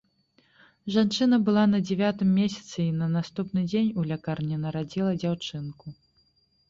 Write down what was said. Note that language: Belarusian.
Жанчына была на дзявятым месяцы і на наступны дзень у лякарні нарадзіла дзяўчынку.